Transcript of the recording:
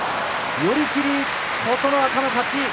寄り切り、琴ノ若の勝ち。